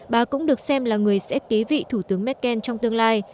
bà cũng được xem là người sẽ kế vị thủ tướng merkel trong tương lai